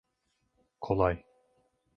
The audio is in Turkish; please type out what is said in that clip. Kolay.